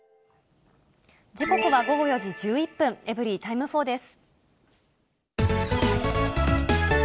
時刻は午後４時１１分、エブリィタイム４です。